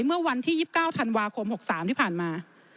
เมื่อวันที่๒๙ธันวาคม๖๓ที่ผ่านมา